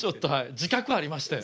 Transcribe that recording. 自覚ありましてん。